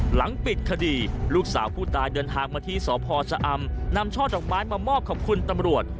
หลังปิดคดีลูกสาวผู้ตายเดินทางมาที่สพชะอำนำช่อดอกไม้มามอบขอบคุณตำรวจ